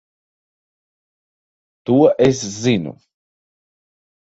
To es zinu.